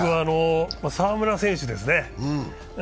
澤村選手ですね。